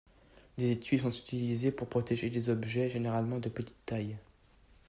Les étuis sont utilisés pour protéger des objets, généralement de petite taille.